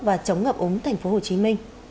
và chống ngập úng tp hcm